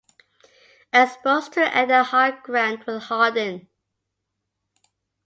Exposed to air the hard ground will harden.